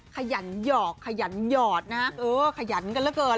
ขยันหยอกขยันหยอดนะขยันกันเกิน